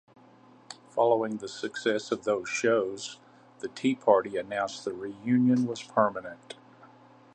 Following the success of those shows, The Tea Party announced the reunion was permanent.